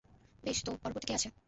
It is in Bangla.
বেশ, তো, পরবর্তী কে আছে?